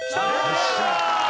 よっしゃ！